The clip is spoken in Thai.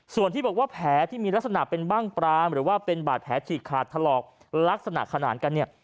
ส่วนที่บอกว่าแผลที่มีลักษณะเป็นบ้างปรามหรือว่าเป็นบาดแผลฉีกขาดถลอกลักษณะขนาดกันเนี่ย